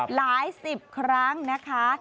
หลายสิบครั้งนะคะ